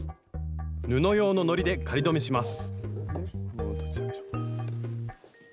布用ののりで仮留めします